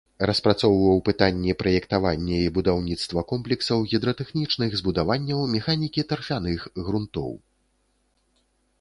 Распрацоўваў пытанні праектавання і будаўніцтва комплексаў гідратэхнічных збудаванняў механікі тарфяных грунтоў.